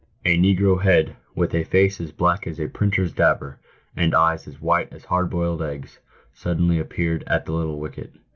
A negro head, with a face as black as a printer's dabber, and eyes as white as hard boiled eggs, suddenly appeared at the little wicket.